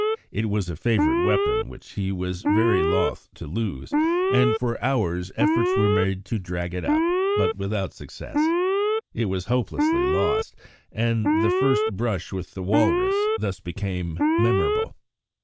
It was a favourite weapon which he was very loth to lose, and for hours efforts were made to drag it up, but without success. It was hopelessly lost, and the first brush with the walrus thus became memorable.